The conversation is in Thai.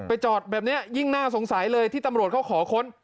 จอดแบบนี้ยิ่งน่าสงสัยเลยที่ตำรวจเขาขอค้น